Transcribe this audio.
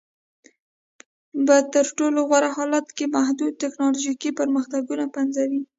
په تر ټولو غوره حالت کې محدود ټکنالوژیکي پرمختګونه پنځوي